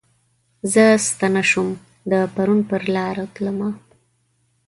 زه ستنه شوم د پرون پرلارو تلمه